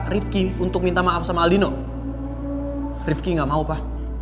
riffky gak mau pa